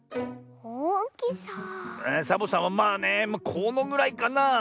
サボさんはまあねこのぐらいかなあ。